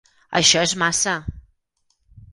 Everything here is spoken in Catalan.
Això és massa!